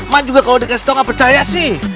mak juga kalau dikasih tau nggak percaya sih